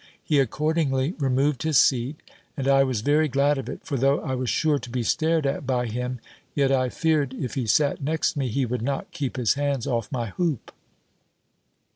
He accordingly removed his seat, and I was very glad of it; for though I was sure to be stared at by him, yet I feared if he sat next me, he would not keep his hands off my hoop.